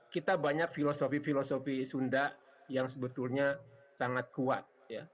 kita banyak filosofi filosofi sunda yang sebetulnya sangat kuat